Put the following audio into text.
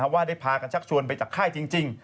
ว่าได้พากันชักชวนไปจากค่ายจริง